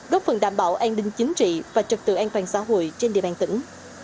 góp phần đảm bảo an ninh chính trị và trật tự an toàn xã hội trên địa bàn tỉnh